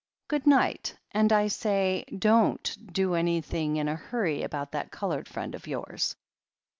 «i 'Good night. And I say — don't do anything in a hurry about that coloured friend of yours."